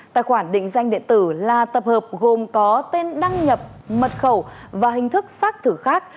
tài khoản định danh điện tử là tập hợp gồm có tên đăng nhập mật khẩu và hình thức xác thử khác